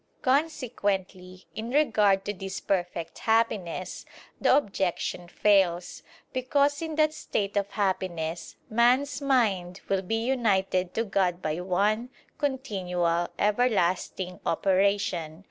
Consequently in regard to this perfect happiness, the objection fails: because in that state of happiness, man's mind will be united to God by one, continual, everlasting operation.